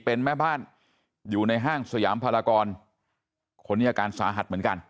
เป็นแม่บ้านอยู่ในห้างสยามพลากรคนนี้อาการสาหัสเหมือนกัน